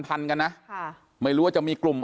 กันนะไม่รู้ว่าจะมีกลุ่ม